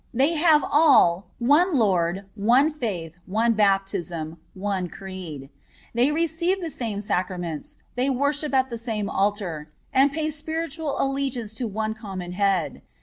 They have all "one Lord, one faith, one baptism," one creed. They receive the same sacraments, they worship at the same altar, and pay spiritual allegiance to one common Head.